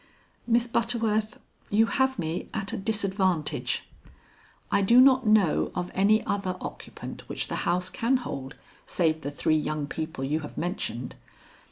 "Miss Butterworth, you have me at a disadvantage. I do not know of any other occupant which the house can hold save the three young people you have mentioned.